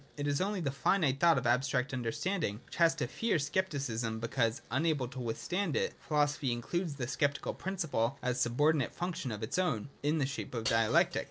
It is only the finite thought of abstract understand ing which has to fear Scepticism, because unable to with stand it : philosophy includes the sceptical principle as a subordinate function of its own, in the shape of Dialectic.